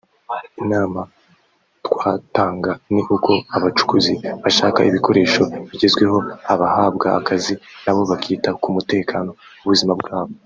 Inama twatanga ni uko abacukuzi bashaka ibikoresho bigezweho abahabwa akazi nabo bakita ku mutekano w’ubuzima bwabo”